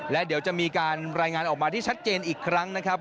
และเดี๋ยวจะมีการรายงานออกมาที่ชัดเจนอีกครั้งนะครับ